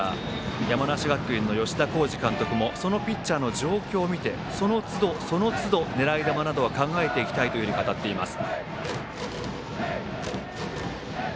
山梨学院の吉田洸二監督もそのピッチャーの状況を見てそのつど、そのつど狙い球などを考えていきたいと語っています。